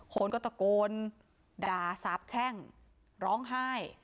โขลกตะโกนด่าสาปแข้งร้องไห้